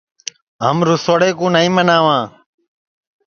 ہم رُسوڑے کُو نائی مناواں